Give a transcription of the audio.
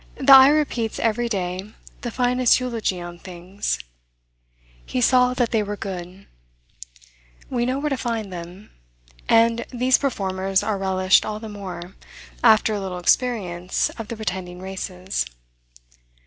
The eye repeats every day the finest eulogy on things "He saw that they were good." We know where to find them; and these performers are relished all the more, after a little experience of the pretending races.